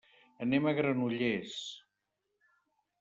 Anem a Granollers.